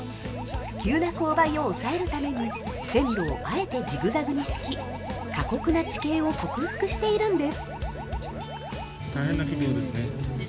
急な勾配を抑えるために線路をあえてジグザグに敷き過酷な地形を克服しているんです。